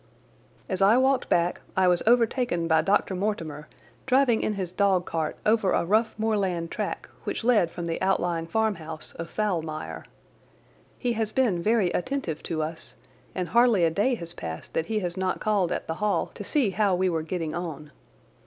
As I walked back I was overtaken by Dr. Mortimer driving in his dog cart over a rough moorland track which led from the outlying farmhouse of Foulmire. He has been very attentive to us, and hardly a day has passed that he has not called at the Hall to see how we were getting on.